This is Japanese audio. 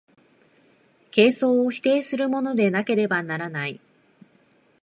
形相を否定するものでなければならない。